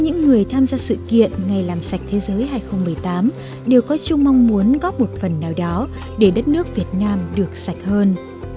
những người tham gia sự kiện ngày làm sạch thế giới hai nghìn một mươi tám đều có chung mong muốn góp một phần nào đó để đất nước việt nam được sạch hơn